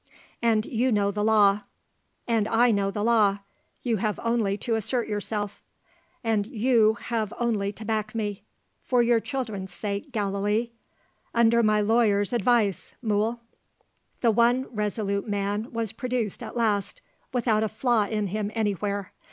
"And you know the law." "And I know the law. You have only to assert yourself." "And you have only to back me." "For your children's sake, Gallilee!" "Under my lawyer's advice, Mool!" The one resolute Man was produced at last without a flaw in him anywhere.